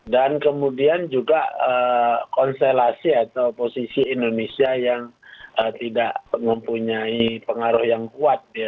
dan kemudian juga konstelasi atau posisi indonesia yang tidak mempunyai pengaruh yang kuat